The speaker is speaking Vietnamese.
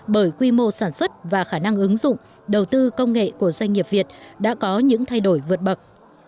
bởi quy mô sản xuất và khả năng ứng dụng đầu tư công nghệ của doanh nghiệp việt đã có những thay đổi vượt bậc